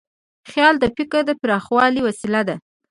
خیال د فکر د پراخوالي وسیله ده.